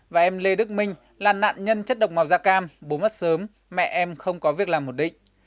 và em lê đức minh là nạn nhân chất độc màu da cam bố mất sớm mẹ em không có việc làm ổn định